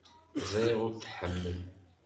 Ẓriɣ ur t-tḥemmel.